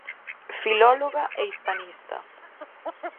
Filóloga e hispanista.